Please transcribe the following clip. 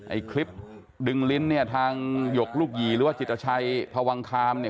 ไอ้คลิปดึงลิ้นเนี่ยทางหยกลูกหยีหรือว่าจิตชัยพวังคามเนี่ย